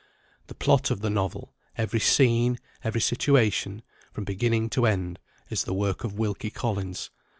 The plot of the novel, every scene, every situation, from beginning to end, is the work of Wilkie Collins.